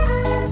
tete aku mau